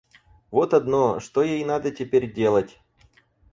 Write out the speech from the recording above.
Вот одно, что ей надо теперь делать.